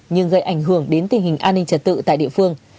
nhưng gây ảnh hưởng đến tình hình an ninh trật tự tại địa phương